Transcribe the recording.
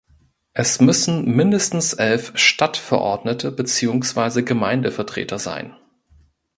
Es müssen mindestens elf Stadtverordnete beziehungsweise Gemeindevertreter sein.